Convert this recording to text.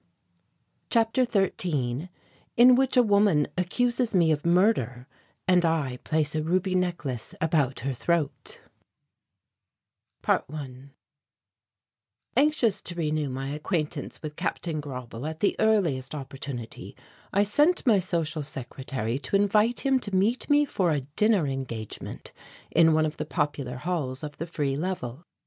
CHAPTER XIII IN WHICH A WOMAN ACCUSES ME OF MURDER AND I PLACE A RUBY NECKLACE ABOUT HER THROAT ~1~ Anxious to renew my acquaintance with Captain Grauble at the earliest opportunity, I sent my social secretary to invite him to meet me for a dinner engagement in one of the popular halls of the Free Level.